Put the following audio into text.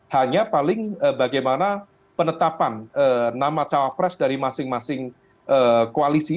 hanya paling bagaimana penetapan nama cawapres dari masing masing koalisi